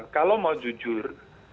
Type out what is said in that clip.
kalau mau jujur